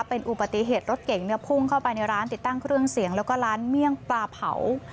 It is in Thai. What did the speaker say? เป็นอุบัติเหตุรถเก่งพุ่งเข้าไปในร้านติดตั้งเครื่องเสียงแล้วก็ร้านเมี่ยงปลาเผา